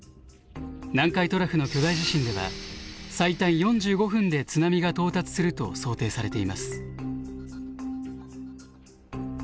南海トラフの巨大地震では最短４５分で津波が到達すると想定されています。